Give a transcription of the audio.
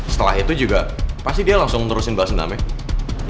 setelah itu juga pasti dia langsung terusin bahas namanya